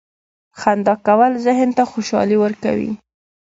• خندا کول ذهن ته خوشحالي ورکوي.